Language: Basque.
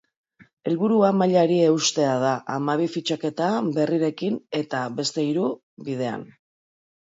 Helburua mailari eustea da, hamabi fitxaketa berrirekin, eta beste hiru bidean.